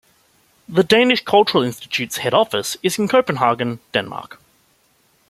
The Danish Cultural Institute's head office is in Copenhagen, Denmark.